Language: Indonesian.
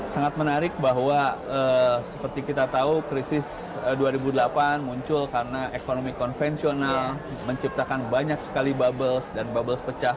sangat menarik bahwa seperti kita tahu krisis dua ribu delapan muncul karena ekonomi konvensional menciptakan banyak sekali bubbles dan bubbles pecah